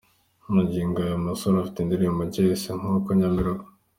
magingo aya uyu musore afite indirimbo nshya yise ’Nkuko njya mbirota.